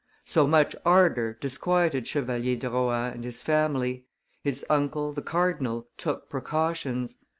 So much ardor disquieted Chevalier de Rohan and his family; his uncle, the cardinal, took precautions.